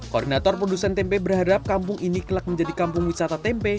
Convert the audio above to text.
koordinator produsen tempe berharap kampung ini kelak menjadi kampung wisata tempe